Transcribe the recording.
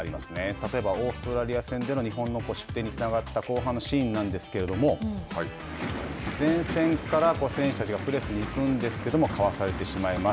例えばオーストラリア戦での日本の失点につながった後半のシーンなんですけれども前線から選手たちがプレスに行くんですけれどもかわされてしまいます。